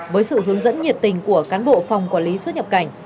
với sự hướng dẫn nhiệt tình của cán bộ phòng quản lý xuất nhập cảnh